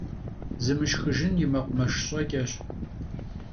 Zımışşxıjjın yi mekhumeşş ş'eç'eş.